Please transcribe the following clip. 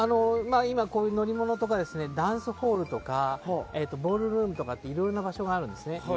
今、乗り物とかダンスホールとかＢａｌｌｒｏｏｍとかいろいろな場所があるんですね。